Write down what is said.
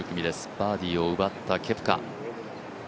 バーディーを奪ったケプカ。